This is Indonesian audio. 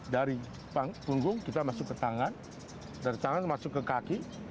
dari punggung kita masuk ke tangan dari tangan masuk ke kaki